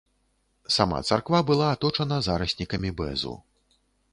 Сама царква была аточана зараснікамі бэзу.